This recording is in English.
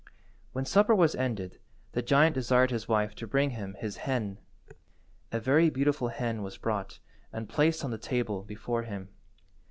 When supper was ended the giant desired his wife to bring him his hen. A very beautiful hen was brought and placed on the table before him.